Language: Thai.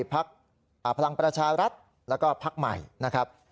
พักพลังประชารัฐแล้วก็พักใหม่นะครับ